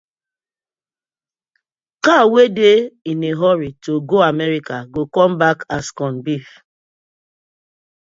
Cow wey dey in a hurry to go America go come back as corn beef: